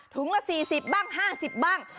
ละ๔๐บ้าง๕๐บ้าง